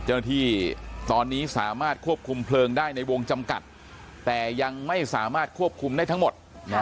เจ้าหน้าที่ตอนนี้สามารถควบคุมเพลิงได้ในวงจำกัดแต่ยังไม่สามารถควบคุมได้ทั้งหมด